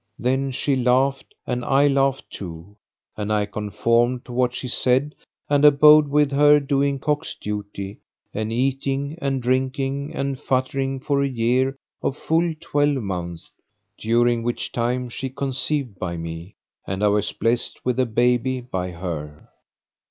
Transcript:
Then she laughed and I laughed too, and I conformed to what she said and abode with her, doing cock's duty and eating and drinking and futtering for a year of full twelve months, during which time she conceived by me, and I was blessed with a babe by her.